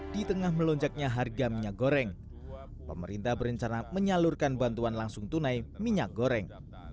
di tengah melonjaknya harga minyak goreng pemerintah berencana menyalurkan bantuan langsung tunai minyak goreng